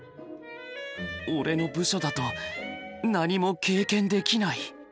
俺の部署だと何も経験できない。